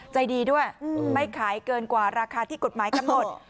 ใจดีด้วยไม่ขายเกินกว่าราคาที่กฎหมายกำหนด